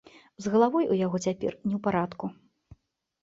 З галавой у яго цяпер не ў парадку.